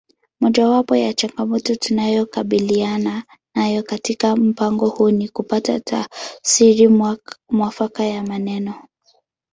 Mojawapo ya changamoto tunayokabiliana nayo katika mpango huu ni kupata tafsiri mwafaka ya maneno